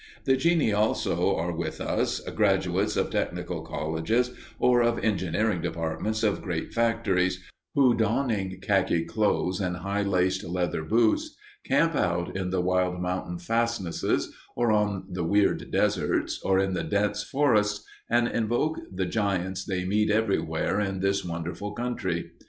The genii also are with us, graduates of technical colleges or of engineering departments of great factories, who, donning khaki clothes and high laced leather boots, camp out in the wild mountain fastnesses, or on the weird deserts, or in the dense forests, and invoke the giants they meet everywhere in this wonderful country.